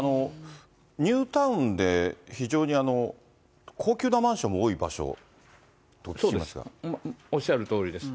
ニュータウンで非常に高級なマンションも多い場所と聞きますそうです、おっしゃるとおりです。